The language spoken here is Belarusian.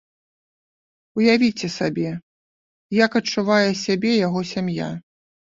Уявіце сабе, як адчувае сябе яго сям'я.